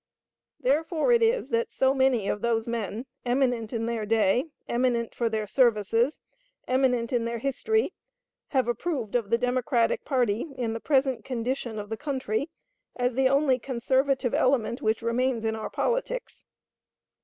Therefore it is that so many of those men, eminent in their day, eminent for their services, eminent in their history, have approved of the Democratic party in the present condition of the country as the only conservative element which remains in our politics.